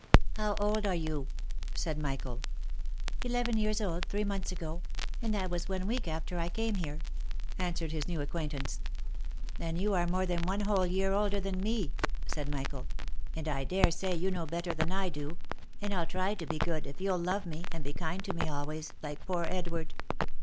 " How old are you ?" said Michael. " Eleven years old three months ago, and that was one week after I came here," answered his new acquaintance. 186 THE LIFE AND ADVENTURES " Then you are more than one whole year older than me ?" said Michael ; u L and I dare say you know better than I do; and I'll try to be good too, if you'll love me, and be kind to me always, like poor Edward.